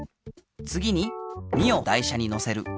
つぎに２を台車にのせる。